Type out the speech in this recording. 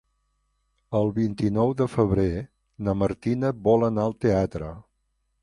El vint-i-nou de febrer na Martina vol anar al teatre.